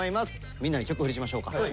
みんなで曲振りしましょうか。